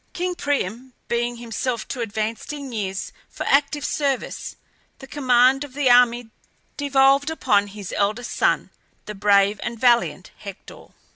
King Priam being himself too advanced in years for active service, the command of the army devolved upon his eldest son, the brave and valiant Hector.